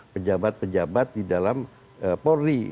pejabat pejabat di dalam polri